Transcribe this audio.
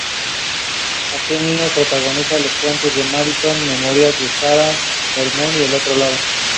Asimismo protagoniza "Los puentes de Madison", "Memorias de Sarah Bernhardt" y "El otro lado".